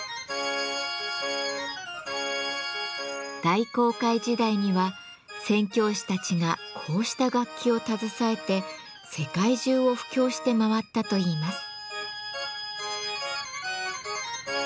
大航海時代には宣教師たちがこうした楽器を携えて世界中を布教して回ったといいます。